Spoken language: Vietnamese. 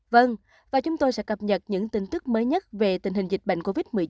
vâng và chúng tôi sẽ cập nhật những tin tức mới nhất về tình hình dịch bệnh covid một mươi chín